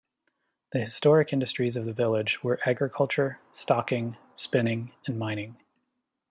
The historic industries of the village were agriculture, stocking, spinning and mining.